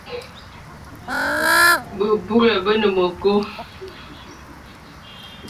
Bəbūrə bə nə mə kɔ̄.